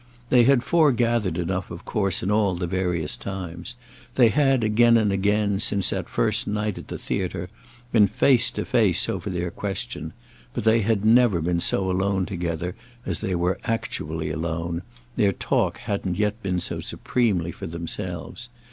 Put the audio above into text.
They had foregathered enough of course in all the various times; they had again and again, since that first night at the theatre, been face to face over their question; but they had never been so alone together as they were actually alone—their talk hadn't yet been so supremely for themselves.